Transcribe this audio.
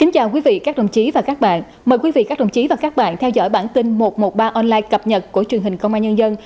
chào mừng quý vị đến với bản tin một trăm một mươi ba online cập nhật của truyền hình công an nhân dân